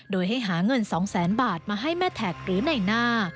โดยให้หาเงิน๒แสนบาทมาให้แม่แท็กหรือในหน้า